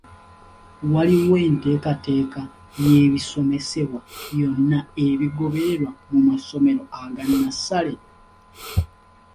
Waliwo enteekateeka y’ebisomesebwa yonna egobererwa mu masomero aga nnassale?